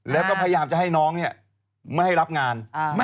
แล้วก็พยายามจะให้น้องเนี่ยไม่ให้รับงาน